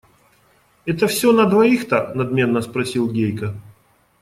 Это все на двоих-то? – надменно спросил Гейка.